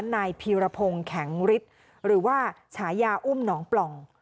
นายพีรพงศ์แข็งฤทธิ์หรือว่าฉายาอุ้มหนองปล่อง